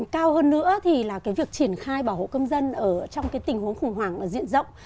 cao hơn nữa thì là việc triển khai bảo hộ công dân trong cái tình huống khủng hoảng diện rộng